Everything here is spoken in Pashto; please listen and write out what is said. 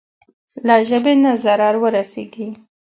له ژبې نه ضرر ورسېږي.